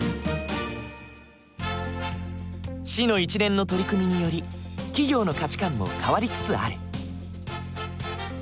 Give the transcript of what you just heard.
市の一連の取り組みにより企業の価値観も変わりつつある。